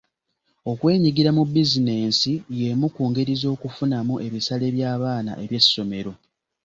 Okwenyigira mu bizinensi y'emu ku ngeri z'okufunamu ebisale by'abaana eby'essomero.